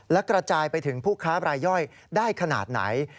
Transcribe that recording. และกระจายไปถึงผู้ค้าบรายย่อยได้ขนาดไหน